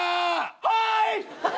はい！